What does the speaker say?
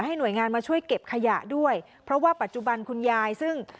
หน่วยงานมาช่วยเก็บขยะด้วยเพราะว่าปัจจุบันคุณยายซึ่ง